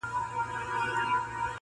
تندي ته مي سجدې راځي چي یاد کړمه جانان-